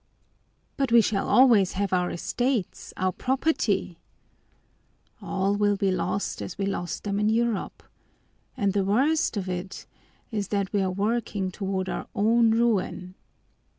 "But we shall always have our estates, our property." "All will be lost as we lost them in Europe! And the worst of it is that we are working toward our own ruin.